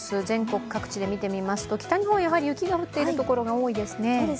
全国各地で見てみますと北日本、やはり雪が降っているところが多いですね。